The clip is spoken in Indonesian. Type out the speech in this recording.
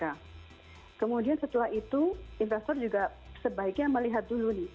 nah kemudian setelah itu investor juga sebaiknya melihat dulu nih